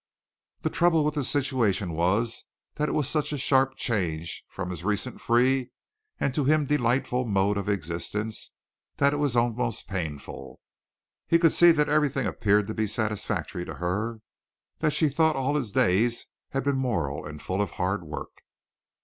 The trouble with the situation was that it was such a sharp change from his recent free and to him delightful mode of existence that it was almost painful. He could see that everything appeared to be satisfactory to her, that she thought all his days had been moral and full of hard work.